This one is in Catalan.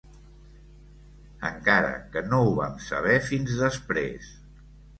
...encara que no ho vam saber fins després